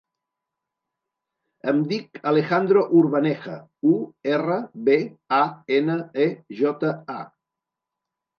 Em dic Alejandro Urbaneja: u, erra, be, a, ena, e, jota, a.